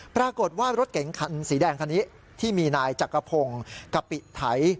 ปรากฏว่ารถเก๋งคันสีแดงคันนี้ที่มีนายจักรพงศ์กะปิไถ